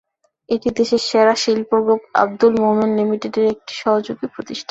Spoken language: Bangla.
এটি দেশের সেরা শিল্প গ্রুপ আবদুল মোনেম লিমিটেডের একটি সহযোগী প্রতিষ্ঠান।